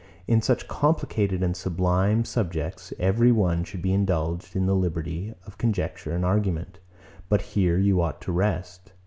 In such complicated and sublime subjects, every one should be indulged in the liberty of conjecture and argument. But here you ought to rest.